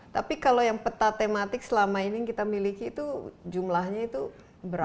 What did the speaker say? tapi kalau yang peta tematik selama ini yang kita miliki itu jumlahnya itu berapa